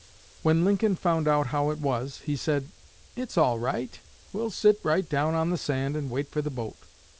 When Lincoln found out how it was, he said: 'It's all right. We'll sit right down on the sand and wait for the boat.'